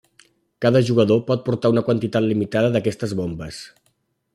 Cada jugador pot portar una quantitat limitada d'aquestes bombes.